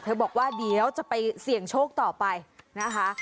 บอกว่าเดี๋ยวจะไปเสี่ยงโชคต่อไปนะคะ